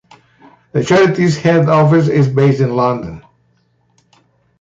The charity's head office is based in London.